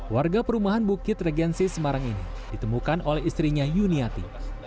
warga perumahan bukit regensi semarang ini ditemukan oleh istrinya yuniati